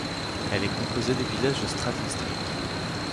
Elle est composée des villages de Stratton St.